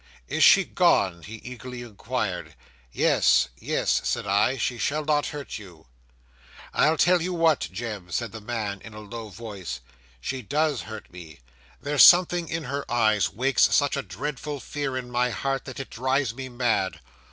'"Is she gone?" he eagerly inquired. '"Yes yes," said I; "she shall not hurt you." '"I'll tell you what, Jem," said the man, in a low voice, "she does hurt me. There's something in her eyes wakes such a dreadful fear in my heart, that it drives me mad.